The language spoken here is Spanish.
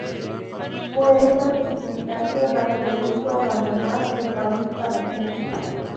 Fue esta circunstancia la que lo hizo abandonar el país para siempre.